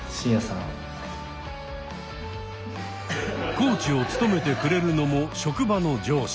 コーチを務めてくれるのも職場の上司。